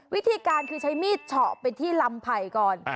วิธีการคือใช้มีดเฉาะไปที่ลำไผ่ก่อน